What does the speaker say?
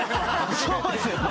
そうですよね。